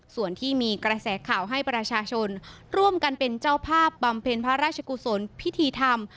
ส่วนที่มีกระแสข่าวให้ประชาชนร่วมกันเป็นเจ้าภาพบำเพ็ญพระราชกุศลพิธีธรรม